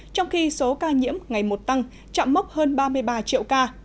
trong khi số ca nhiễm ngày một tăng chạm mốc hơn ba mươi ba triệu ca